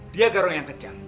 dia garong yang kejam